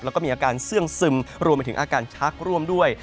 แล้วก็มีอาการเสื้องซึมรวมไปถึงอาการชักร่วมด้วย